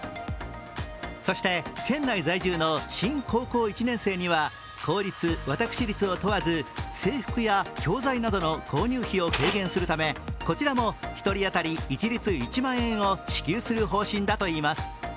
そして、県内在住の新高校１年生には、公立・私立を問わず制服や教材などの購入費を軽減するためこちらも１人当たり一律１万円を支給する方針だといいます。